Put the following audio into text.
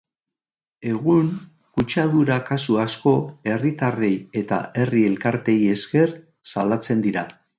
Egun, kutsadura kasu asko herritarrei eta herri elkarteei esker salatzen dira.